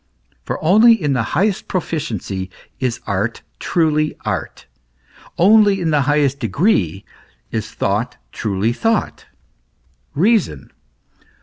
For only in the highest proficiency is art truly art ; only in its highest degree is thought truly thought, reason.